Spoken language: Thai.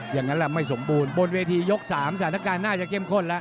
อย่างนั้นแหละไม่สมบูรณ์บนเวทียก๓สถานการณ์น่าจะเข้มข้นแล้ว